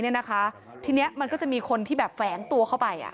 เนี่ยนะคะทีนี้มันก็จะมีคนที่แบบแฝงตัวเข้าไปอ่ะ